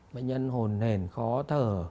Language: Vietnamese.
bệnh nhân hồn hền khó thở